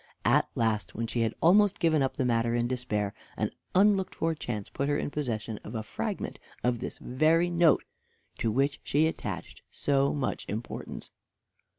At last, when she had almost given up the matter in despair, an unlooked for chance put her in possession of a fragment of this very note to which she attached so much importance.